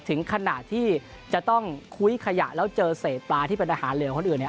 ถึงขนาดที่จะต้องคุ้ยขยะแล้วเจอเศษปลาที่เป็นอาหารเหลืองคนอื่นเนี่ย